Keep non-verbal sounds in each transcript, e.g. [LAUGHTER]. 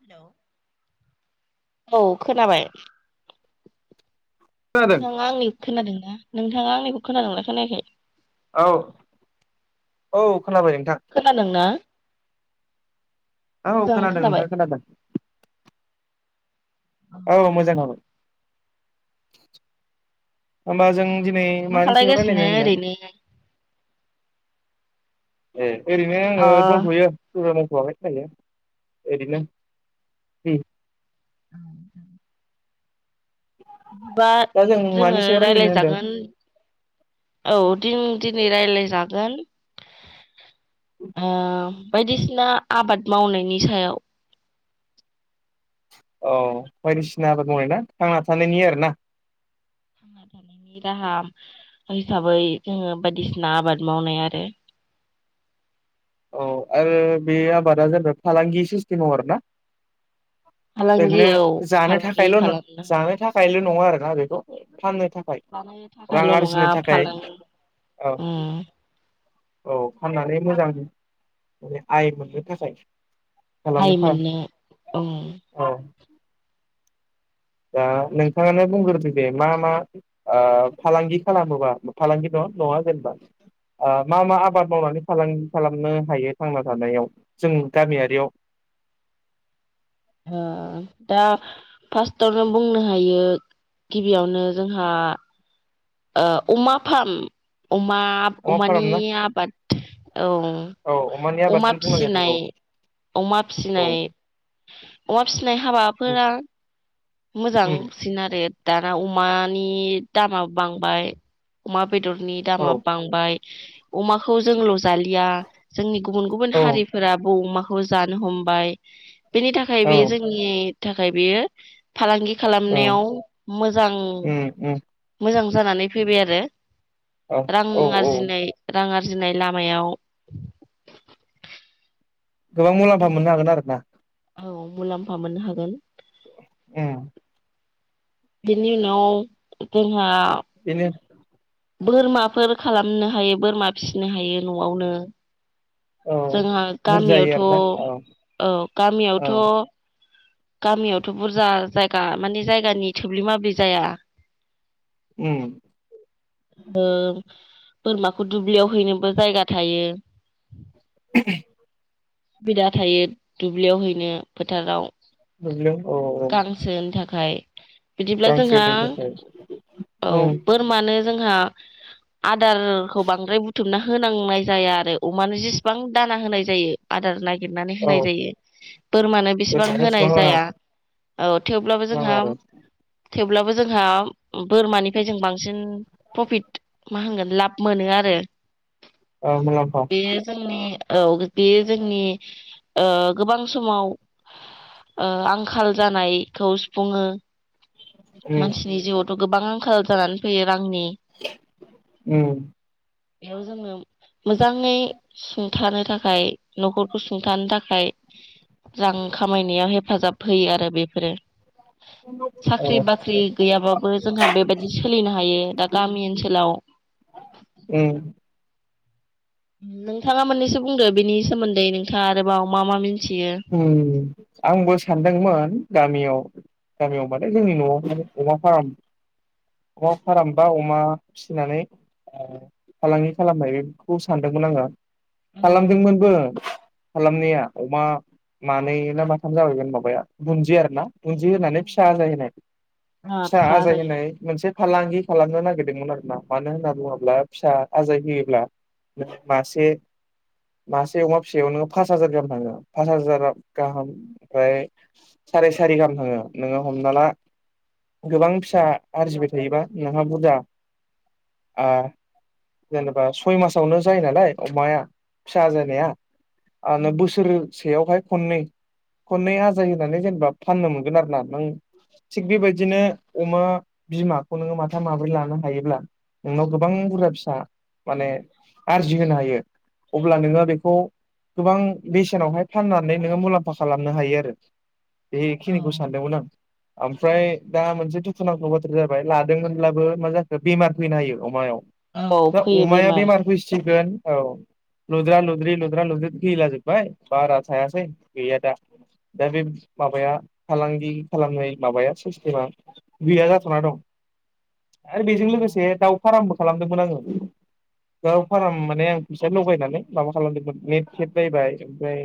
हेल' औ खोनाबाय खोनादों नोंथाङा आंनिखौ खोनादों ना? नोंथाङा आंनिखौ खोनादोंना खोनायाखै? औ औ खोनाबाय नोंथां खोनादोंना औ मोजां खोनादों खोनाबाय नोंथां खोनादों औ मोजाङानो। [INAUDIBLE] होमबा जों दिनै मा मानि सायाव खालायगासिनो रायलायनो होनदों? ओरैनो ए ओरैनो अ आङो दंथ'यो। [UNINTELLIGIBLE] ओरैनो उम औ दा जों जोङो मानि सायाव रायलायनो होनदों रायज्लायजागोन औ दिनै रायलाय जागोन ओ बायदिसिना आबाद मावनायनि सायाव। औ बायदिसिना आबाद मावनाय आरोना थांना थानायनि आरो ना थांना थानायनि राहा हिसाबै जोङो बायदिसिना आबाद मावनाय आरो। औ आरो बे आबादा जेनेबा फालांगि सिस्टेमाव आरोना। फालांगि ओरैनो औ जानो फालांगि थाखायल' खालामनो जानो था' नङा आरोखि ना बेखौ थानो लानायनि थाखायल' नङा फालांगि औ उम औ फाननानै मोजां माने आइ मोननो थाखाय खालामनो आइ सार मोननो औ ओ औ दा नोंथाङानो बुंग्रोदो जे मा-मा अ फालांगि खालामोबा फालांगिल' नङा जेनेबा अ‌ मा-मा आबाद मावनानै फालांगि खालामनो हायो थांना थानायाव जों गामियारियाव? अ दा फार्स्टआवनो बुंनो हायो गिबियावनो जोंहा ओ अमा अमा अमा-अमानि फारामना आबाद औ अमानि अमा आबादखौनो बुंनांगोन फिनाय औ अमा औ फिनाय अमा फिसिनाय हाबाफोरा मोजां उम सिन आरो दा दा अमानि दामाबो बांबा बेदरनि औ दामा बांबाय अमाखौ जोंल जालिया जोंनि गुबुन-गुबुन औ हारिफोराबो अमा खौ जानो हमबाय बेनि थाखाय औ बेयो जोंनि थाखाय बेयो फालांगि औ खालामनायाव मोजां उम उम मोजां जानानै फैबाय आरो औ रां औ औ आरजिनाय रां आर जिनाय लामायाव गोबां मुलाम्फा मोननो हागोन आरो ना औ मुलाम्फा मोननो हागोन उम बेनि उनाव जोंहा बिनो बोरमाफोर खालामनो हायो बोरमा फिसिनो हायो न'आवनो औ जोंहा बुरजायै आरोना औ गामियाव औ गामियावथ' बुरजा जायगा माने जायगानि थोब ओं उम बोरमाखौ दुब्लियाव हैनोबो जायगा थायो [UNINTELLIGIBLE] बिदा थायो दुब्लियाव हैनो फोथाराव दुब्लियाव औ औ खाय बिदिब्ला गांसो जोंहा बेनि थाखाय औ उम बोरमानो जोंहा आदारखौ बांद्राय बुथुमना होनांनाय जाया आरो अमानो जेसेबां दाना होनाय जायो आदार नाय गिरनानै औ होनाय जायो बोरमानो बिसिबां ओरैनो होनाय इसिबां नाङा जाया औ थेवब्लाबो रां जोंहा आरो थेवब्लाबो जोंहा बोरमानिफ्राय जों बांसिन प्रफिट मा होनगोन लाब मोनो आरो औ मुलाम्फा बे जोंनि औ बे जोंनि ओ गोबां समाव ओ आंखाल जानायखौ सुफुङो उम मानसि [UNINTELLIGIBLE] गोबां आंखाल जानानै फैयो । रांनि उम बेयाव जोंनो मोजाङै सुंथानो थाखाय न'खरखौ सुंथानो थाखाय रां खामायनायाव हेफाजाब होयो आरो बेफोरो । उ [UNINTELLIGIBLE] ख्रि बाख्रि गैयाबाबो जोंहा बेबायदि सोलिनो हायो दा गामि ओनसोलाव उम नोंथाङा मोननैसो बुंदो बेनि सोमोन्दै नोंथाङा आरोबाव मा मा मिन ओम आंबो सानदोंमोन गामियाव गामियाव माने जोंनि न'यावहाय अमा फार्म अमा फार्म बा अमा फिसिनानै ओ फालांगि खालामनाय बेखौ सानदोंमोन आङो । खालामदोंमोनबो खालामनाया अमा मानै ना माथाम जाबायमोन माबाया बुन्दिया आरो ना । बुन्दि होनानै फिसा आजाय होनाय औ फिसा आजाय जायो होनाय मोनसे फालांगि खालामनो नागिरदोंमोन आरो । मानो होनना बुङोब्ला फिसा आजाय होयोब्ला नों मासे मासे अमा फिसायाव नो फास हाजार गाहाम थाङो । फास हाजार गाहाम ओमफ्राय साराय सारि गाहाम थाङो नोङो हमना ला गोबां फिसा आरजिबाय थायोबा नोंहा बुरजा ओ जेनेबा सय मासावनो जायो नालाय अमाया फिसा आजानाया आ नों बसोर सेयावहाय खननै खननै आजाय होनानै जेनेबा फाननो मोनगोन आरो ना नों थिग बेबायदिनो अमा बिमाखौ नोङो माथा माब्रै लानो हायोब्ला नोंनाव गोबां बुरजा फिसा माने आरजिहो हायो । अब्ला नोङो बेखौ गोबां बेसेनावहाय फाननानै नोङो मुलाम्फा खालामनो हायो आरो औ बेखिनिखौ सानदोंमोन आं ओमफ्राय दा मोनसे दुखुनांथाव बाथ्र जाबाय लादोंमोनब्लाबो मा जाखो बेमार फैनो हायो अमायाव औ । दा फैयो अमाया बेमार होसिगोन औ लुद्रा लुद्रि लुद्रा लुद्रि थैलाजोबबाय बारा थायासै गैया दा दा बे माबाया फालांगि खालामनाय माबाया सिस्टेमा गैया जाथ'ना दं । आरो बेजों लोगोसे दाउ फार्मबो खालामदोंमोन आङो दाउ फार्म माने आं फैसा लगायनानै माबा खालामदोंमोन नेेट थेद बायबाय ओमफ्राय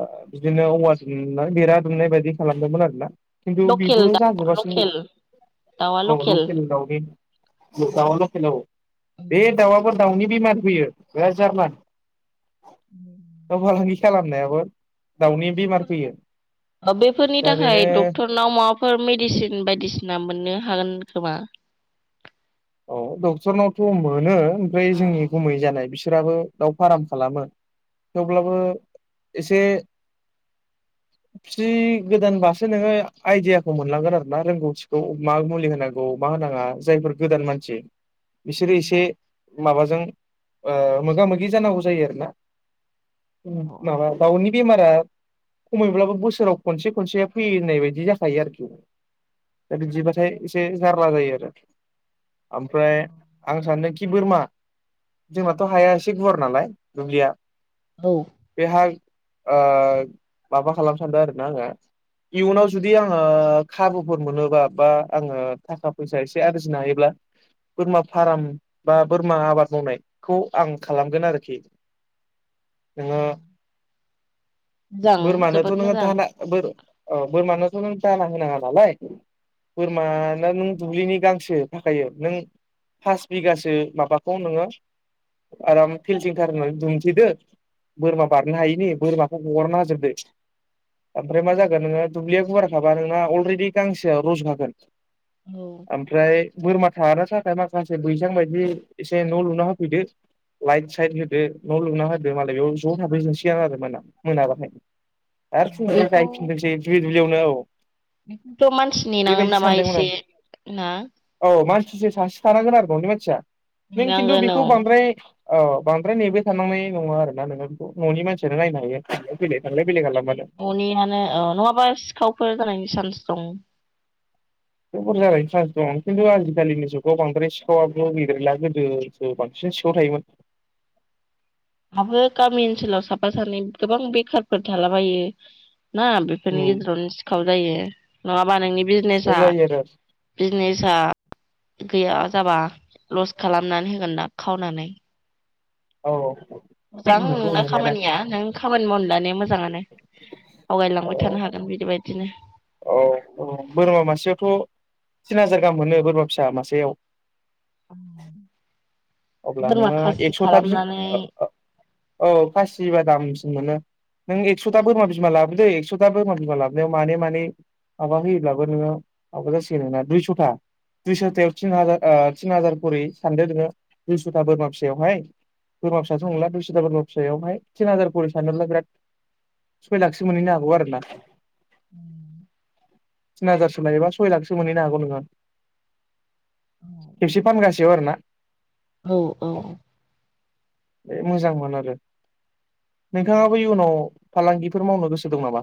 ओ बिदिनो औवा दुमनाय बेरा दुमनाय बायदि खालामदोंमोन आरो ना । खिन्थु बेबो लकेल दाउ जाजोबासै लकेल औ लकेल दाउनि दाउआ लके हेलौ बे दाउआबो दाउनि बेमार फैयो बेराद जार्ला । [INAUDIBLE] दाउ फालांगि खालामनायाबो दाउनि बेमार फैयो बेफोरनि दा थाखाय बेनो डक्टरनाव माबाफोर मेडिसिन बायदिसिना मोननो हागोन खोमा औ डक्टरनावथ' मोनो ओमफाय जोंनि गमै जानाय बिस बिसोराबो दाउ फार्म खालामो थेवब्लाबो एसे फिदि गोदानबासो नोङो आइदियाखौ मोनलांगोन आरोना रोंगौथिखौ मा मुलि होनांगौ मा होनाङा जायफोर गोदान मानसि बिसोरो एसे माबाजों ओ मोगा मोगि जानांगौ जायो आरोना औ माबा बावनि बेमारा खमैब्लाबो बोसोराव खनसे खनसे फैयो होननाय बायदि जाखायो आरोखि दा बिदिबाथाय एसे जारला जायो आरो ओमफ्राय आं सानदोंखि बोरमा जोंनाथ' हाया एसे गुवार नालाय दुब्लिया औ बेहार ओ माबा खालामनो सान्दों आरोना आङो इयुनाव जुदि आङो खाबुफोर मोनोबा बा आङो थाखा फैसा एसे आरजि फिनो हायोब्ला बोरमा फार्म बा बोरमा आबाद मावनायखौ आं खालामगोन आरोखि नोङो मोजां बोरमानोथ' जोबोद नोङो मोजां दाना बोर ओ बोरमानो खौ नों दाना होनाङा नालाय बोरमा ना नों दुब्लिनि गांसो थाखायो नो फास बिगासो माबाखौ नोङो आराम फिलटिंथारहोनानै दुमथेदो बोरमा बारनो हायिनि बोरमाखौ हगारना होजोबदो ओमफ्राय मा जागोन नोङो औ दुब्लिया गुवारखाबा नोंना अलरेडि गांसेआ रज' खागोन। आम ओमफ्राय बोरमा थानो थाखाय माखासे बैसां बायदि एसे न' लुना होफैदो लाइट साइट होदो न' लुना होदो मालाय बेयाव ज' थाफैजोबनसिगोन आरो होमबाना मोनाबाथाय। औ [UNINTELLIGIBLE] दुब्लियावनो औ खौथ' मानसि नेनागोन बेबायदि नामा सानदोंमोन आं एसे औ मानसिसो सासे थानांगोन आरो न'नि मानसिया नों खिन्थु नेनांगोन औ बेखौ बांद्राय औ बांद्राय नेबाय थांनांनाय नङा आरो नोंङो बेखौ न'नि मानसियानो नायनो हायो थांलाय फैलाय थांलाय बेलाय खालामबानो न'नियानो ओ नङाबा सिखावफोर जानायनि चान्स सम बे बुर जानायनि सान्स दं खिन्थु आजिखालिनि जुगाव बांद्राय सिखावाबो गैद्रायला गोदोसो बांसिन सिखाव थायोमोन। हाबो गामि ओनसोलाव साफा सानै गोबां बेखारफोर थालाबायो ना बेफोरनि उम गेजेरावनो सिखाव जायो। नङाब बा नोंनि सिखाव बिजनेसा जायो आरो बिजनेसा गैया जाबा ल'स खालामनानै होगोन ना खावनानै औ औ मोजां नंगौ नोंना नंनायालाय खामानिया नों खामानि मावनो लानाया मो जाङानो औ आवगायलांबाय थानो हागोन बिदिबायदिनो। औ औ बोरमा मासेयावथ' थिन हाजार गाहाम मोनो बोरमा फिसा मासेयाव [INAUDIBLE] अब्ला बोरमा नोङो खासि एक्स'था बि खालामनानै [UNINTELLIGIBLE] औ खासिबा दाम मोनो नों एक्स'था ओरैनो बोरमा बिमा लाबोदे एक्स' [UNINTELLIGIBLE] बोरमा बिमा लाबनायाव मानै मानै माबा होयोब्लाबो नोङो माबा जासिगोन नोंना दुइस'था दुइस'थायाव तिनहाजा ओ तिनहाजार खरै सानदो नोङो। दुइस'था बोरमा फिसायावहाय बोरमा फिसाथ' नंला दुइस'था बोरमा फिसायावहाय तिन हाजार खरै सानब्ला बिराद सय लाखसो मोनहैनो हागौ आरोना। [INAUDIBLE] तिन हाजारसो लायोबा सय लाखसो मोनहैनो हागौ नोंङो। खेबसे फानगासेयाव आरो ना औ औ बे मोजांमोन आरो नोंथाङाबो इयुनाव फालांगिफोर मावनो गोसो दं नामा?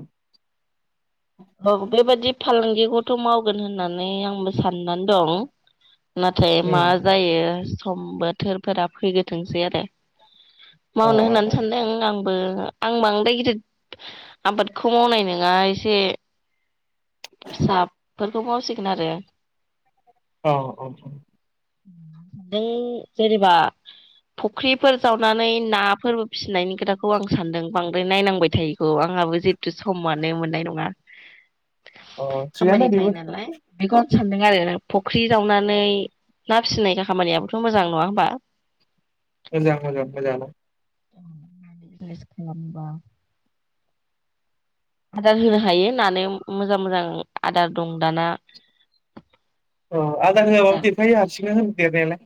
औ बेबादि फालांगिखौथ' मावगोन होननानै आंबो साननानै दं। नाथाय मा उम जायो समबो बोथोरफोरा फैग्रोथोंसै आरो अ मावनो होननानै अ सानदों आं ओ आं बांद्राय गिदिद आबादखौ मावनाय नोङा एसे [INAUDIBLE] फिसाफोरखौ मावसिगोन आरो औ औ नों जेनेबा फख्रिफोर जावनानै नाफोरबो फिसिनायनि खोथाखौ आं सानदों बांद्राय नायनांबाय थायिखौ आंहाबो जिथु समानो मोननाय नङा। अ थिगानो खामानि बेबो थायो नालाय बेखौ सानदों आरो फख्रि जावनानै ना फिसिनाय खामानियाबोथ' मोजां नङा होमबा? मोजां मोजां मोजांङानो [UNINTELLIGIBLE] खालामबा आदार होनो हायो नानो मोजां मोजां आदार दं दाना। अ आदार होआबाबो देरफायो हारसिंनो होन देरनायालाय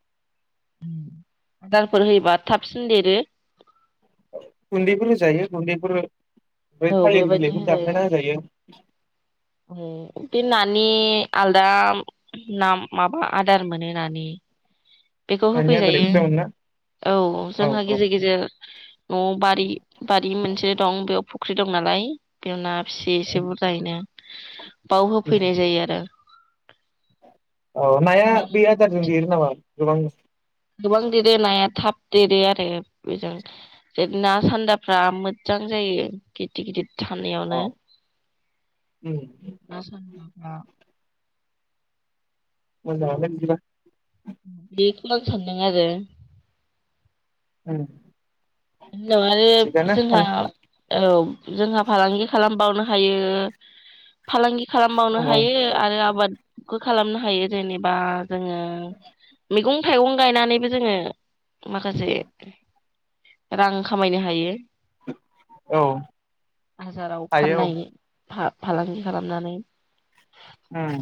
[UNINTELLIGIBLE] आदारफोर होयोबा थाबसिन देरो। गुन्दैफोर होजायो गुन्दैफोर ओमफाय औ थालिर बेबायदि बिलाइखौ दानफायना होजायो। बे नानि आलदा ना माबा आदार मोनो नानि। बेखौ दानिया बेलेग होफैजायो जामोन ना औ जोंहा गेजेर गेजेर न'आव बा दायो बारि मोनसे दं बेयाव फु फुख्रि दं नालाय बेयाव ना फिसियो एसे बुरजायैनो बाव होफैनाय जायो आरो औ आं नाया बे नामखौ मिथि आदारजों देरो नामा? गोबां गोबां देरो नाया थाब देरो आरो बेजों जे ना सान्दाफ्रा मोजां जायो गिदिर गिदिर थानायावनो अ उम [INAUDIBLE] ना सानगाफ्रा मोजाङानो बिदिबा बेखौनो सानदों आरो उम बिदिनङालै थिगानो जोंहा खालाम औ जोंहा फालांगि खालामबावनो हायो फालांगि औ खालामबावनो हायो आरो आबाद खालामनो हायो जेनेबा जोङो मैगं थाइगं गायनानैबो जोङो माखासे रां खामायनो हायो औ [INAUDIBLE] हाजाराव हायो फाननाय फालांगि खालामनानै उम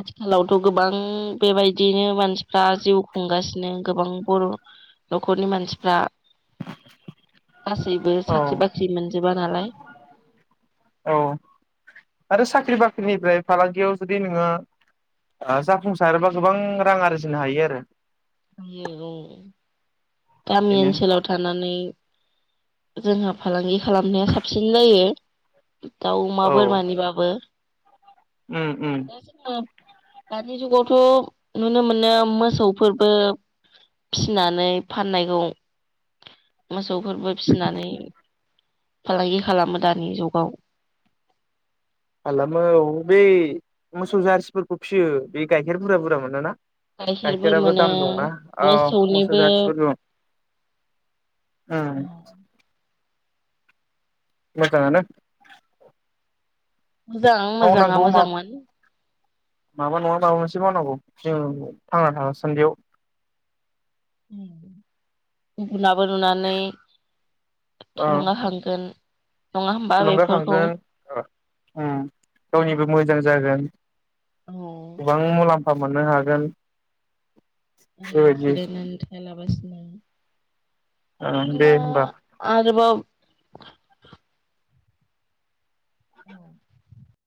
आथिखालावथ' गोबां बेबायदियैनो मानसिफ्रा जिउ खुंगासिनो गोबां बर' नखरनि मानसिफ्रा गासैबो औ साख्रि बाख्रि मोनजोबा नालाय निफ्राय फालांगियाव जुदि नोङो ओ जाफुंसारोबा गोबां रां आरजिनो हायो आरो हायो औ गामि बेनो ओनसोलाव थानानै जोंहा फालांगि खालामनाया साबसिन जायो दाउ अमा औ बोरमानिबाबो उम उम दा जोङो दानि जुगावथ' नुनो मोनो मोसौफोर बो फिनानै फाननायखौ मोसौ फोरबो फिनानै फालांगि खालामो दानि जुगाव खालामो औ बै मोसौ जारसिफोरखौ फिसियो बे गाइखेरफोरा बुरजा मोनोना गाइखेरबो गाइखेराबो मोनो दाम दंना औ मोसौ मोसौनिबो जाथिबो दं ओ मोजाङानो मोजां मोजाङा मावनांगौ मा मोजांमोन माबा नङा माबा मोनसे मावनांगौ जों थांना थासान्दियाव। उम उनाबो लुनानै ओ थुलुंगाखांगोन नङा होमबा बेफोरखौ थुलुंगाखांगोन ओम गावनिबो मोजां जागोन औ गोबां मुलाम्फा फा मोननो हागोन ओरैनो बेबायदि जिरायनानै थायालाबासिनो ओं दे नोआ होमबा। आरोबाव औ